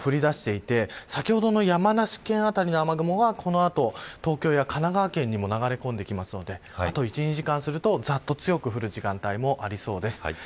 雨も降り出していて先ほどの山梨県辺りの雨雲はこの後、東京、神奈川県にも流れ込んでくるのであと１、２時間するとざっと強く降る時間帯ありそうです。